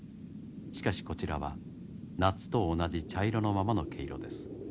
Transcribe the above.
しかしこちらは夏と同じ茶色のままの毛色です。